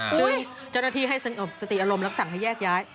ช่วยเจ้าหน้าที่ให้สงบสติอารมณ์แล้วสั่งให้แยกย้าย